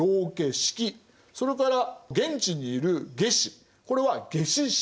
それから現地にいる下司これは下司職。